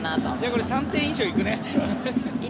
これは３点以上行くね。